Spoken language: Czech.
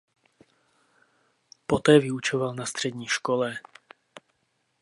Poté vyučoval na střední škole.